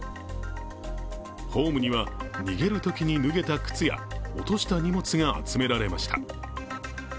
ホームには、逃げるときに脱げた靴や落とした荷物が集められました。